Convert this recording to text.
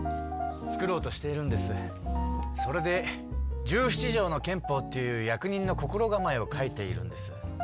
それで「十七条の憲法」っていう役人の心がまえを書いているんです。